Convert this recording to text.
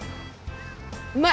うまい！